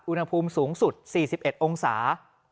อุณหภูมิสูงสุด๔๑องศา